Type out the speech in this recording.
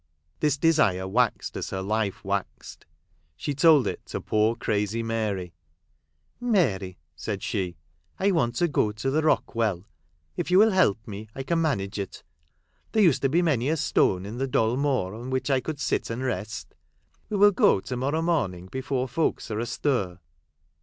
This desire waxed as her life waxed. She told it to poor crazy Mary. " Mary !" said she, " I want to go to the Rock Well. If you will help me, I can manage it. There used to be many a stone in the Dol Mawr on which I could sit and rest. We will go to morrow morning before folks are astir."